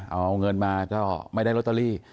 เอาเงินมาก็ไม่ได้ลอตเตอรี่